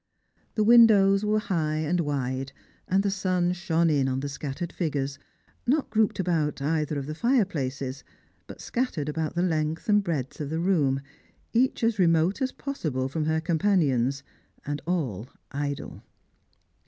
The windows were high and wide, and the sun Slrangerg and Pilgrims. 371 elione in upon the scattered figures, not grouped about eitlier of the fireplaces, but scattered about the length and breadth of the room, each as remote as possible from her companions, and all idle.